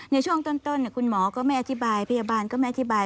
ในช่วงต้นคุณหมอก็ไม่อธิบายพยาบาลก็ไม่อธิบาย